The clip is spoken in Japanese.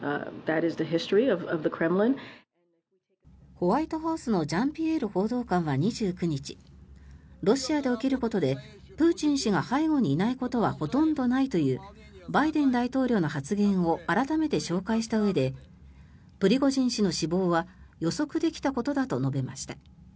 ホワイトハウスのジャンピエール報道官は２９日ロシアで起きることでプーチン氏が背後にいないことはほとんどないというバイデン大統領の発言を改めて紹介したうえでプリゴジン氏の死亡は予測できたことだと述べました。